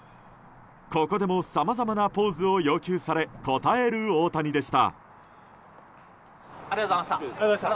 ここでもさまざまなポーズを要求され応える大谷でした。